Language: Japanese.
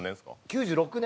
９６年。